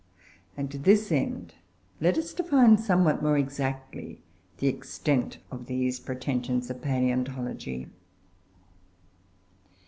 And to this end let us define somewhat more exactly the extent of these pretensions of palaeontology.